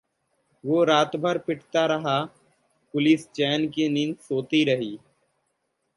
वो रातभर पिटता रहा, पुलिस चैन की नींद सोती रही